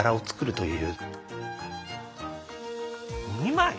２枚？